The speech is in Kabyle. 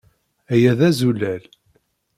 Aya d azulal.